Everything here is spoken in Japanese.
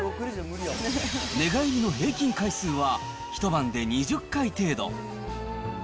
寝返りの平均回数は一晩で２０回程度。